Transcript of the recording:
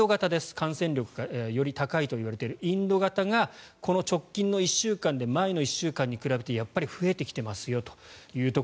感染力がより高いといわれているインド型がこの直近の１週間で前の１週間に比べてやっぱり増えてきてますよと。